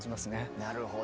なるほど。